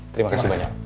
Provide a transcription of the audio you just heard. terima kasih banyak